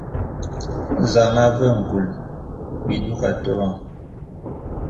Nzàma àvə ngūl bi dòg atòbəŋ.